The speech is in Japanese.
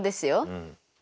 うん。